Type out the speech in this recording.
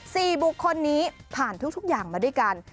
สี่บุคคลนี้ผ่านทุกอย่างมาด้วยกัน